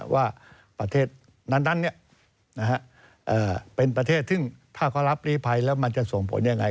ว่าประเทศนั้นเป็นประเทศซึ่งถ้าเขารับลีภัยแล้วมันจะส่งผลยังไง